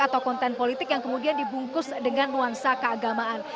atau konten politik yang kemudian dibungkus dengan nuansa keagamaan